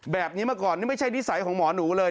แบบนี้มาก่อนนี่ไม่ใช่นิสัยของหมอหนูเลย